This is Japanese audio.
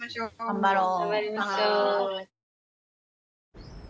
頑張ろう。